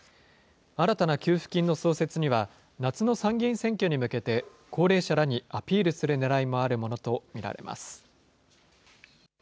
新たな給付金の創設には、夏の参議院選挙に向けて高齢者らにアピールするねらいもあるもの